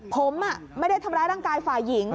ผมไม่ได้ทำร้ายร่างกายฝ่ายหญิง